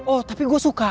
oh tapi gue suka